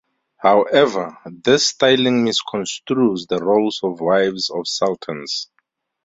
However, this styling misconstrues the roles of wives of sultans.